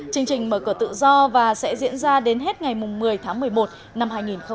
chương trình mở cửa tự do và sẽ diễn ra đến hết ngày một mươi tháng một mươi một năm hai nghìn hai mươi